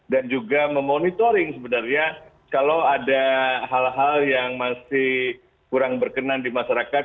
dan juga memonitoring sebenarnya kalau ada hal hal yang masih kurang berkenan di masyarakat